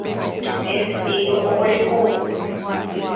Estilo oguerekóva.